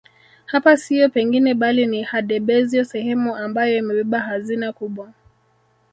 Hapa siyo pengine bali ni Handebezyo sehemu ambayo imebeba hazina kubwa